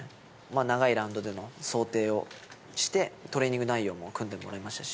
長いラウンドを想定をして、トレーニング内容も組んでもらいましたし。